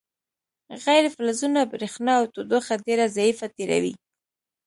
غیر فلزونه برېښنا او تودوخه ډیره ضعیفه تیروي.